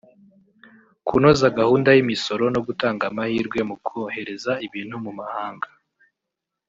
kunoza gahunda y’imisoro no gutanga amahirwe mu kohereza ibintu mu mahanga